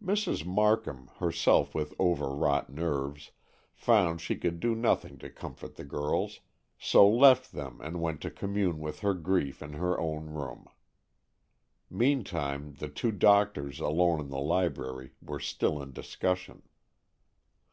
Mrs. Markham, herself with overwrought nerves, found she could do nothing to comfort the girls, so left them and went to commune with her grief in her own room. Meantime the two doctors alone in the library were still in discussion.